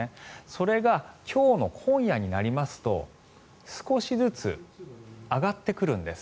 それが今日の今夜になりますと少しずつ上がってくるんです。